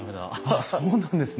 あっそうなんですね。